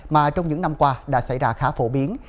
mà trong những năm qua đã xảy ra khá phổ biến